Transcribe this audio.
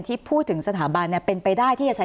ที่พูดถึงสถาบันเนี่ยเป็นไปได้ที่จะใช้